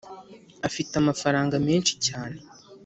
Afite amafaranga menshi cyane?